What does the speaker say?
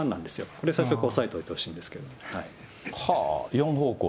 そこだけ押さえておいてほしいんですけどね。